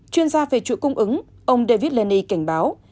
chuyên gia về chuỗi cung ứng ông david lenny cảnh báo